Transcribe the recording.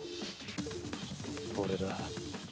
俺だ」